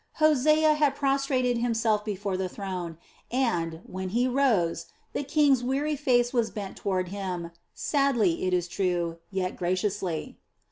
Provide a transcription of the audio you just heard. Hosea had prostrated himself before the throne and, when he rose, the king's weary face was bent toward him, sadly, it is true, yet graciously.